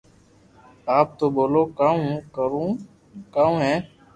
آپ تو ٻولو ڪاو ھون ڪرو ڪاوُ ھين